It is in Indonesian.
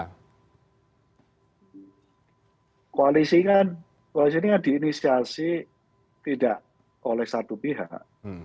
koalisi ini kan diinisiasi tidak oleh satu pihak